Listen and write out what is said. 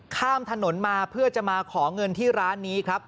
ข้ามถนนมาเพื่อจะมาขอเงินที่ร้านนี้ครับ